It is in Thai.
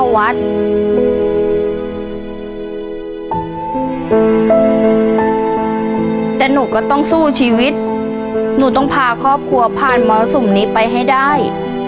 แต่หนูก็ต้องสู้ชีวิตหนูต้องพาครอบครัวผ่านมรสุมนี้ไปให้ได้